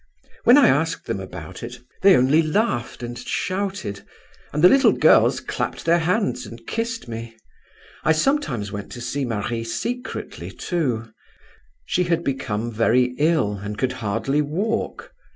When I asked them about it they only laughed and shouted, and the little girls clapped their hands and kissed me. I sometimes went to see Marie secretly, too. She had become very ill, and could hardly walk.